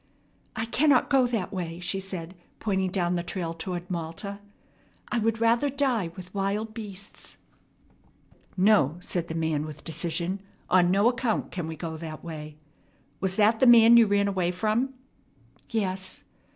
"I cannot go that way!" she said, pointing down the trail toward Malta. "I would rather die with wild beasts." "No!" said the man with decision. "On no account can we go that way. Was that the man you ran away from?" "Yes."